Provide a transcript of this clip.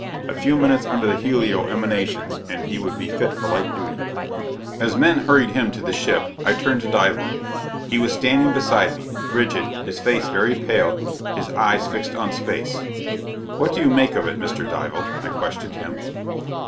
A few minutes under the helio emanations and he would be fit for light duty. As the men hurried him to the ship, I turned to Dival. He was standing beside me, rigid, his face very pale, his eyes fixed on space. "What do you make of it, Mr. Dival?" I questioned him.